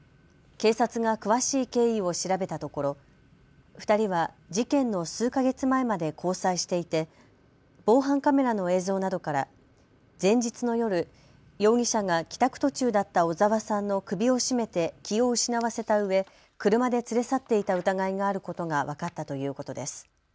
警察が詳しい経緯を調べたところ、２人は事件の数か月前まで交際していて防犯カメラの映像などから前日の夜、容疑者が帰宅途中だった小澤さんの首を絞めて気を失わせたうえ車で連れ去っていた疑いがあることが分かったということです。